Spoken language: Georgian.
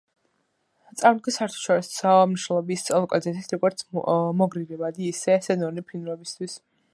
წარმოადგენს საერთაშორისო მნიშვნელობის ლოკალიზაციას, როგორც მიგრირებადი, ისე სეზონური ფრინველებისთვის.